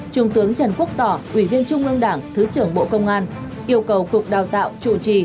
trung tướng trần quốc tỏ ủy viên trung ương đảng thứ trưởng bộ công an yêu cầu cục đào tạo chủ trì